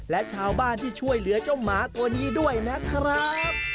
และชาวบ้านที่ช่วยเหลือเจ้าหมาตัวนี้ด้วยนะครับ